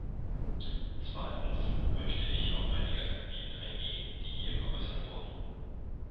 Zweitens möchte ich auf einige Anliegen eingehen, die hier geäußert wurden.